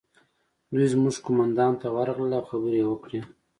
دوی زموږ قومندان ته ورغلل او خبرې یې وکړې